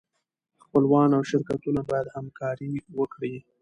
خپلوان او شرکتونه باید همکاري وکړي.